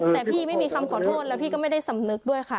แต่พี่ไม่มีคำขอโทษแล้วพี่ก็ไม่ได้สำนึกด้วยค่ะ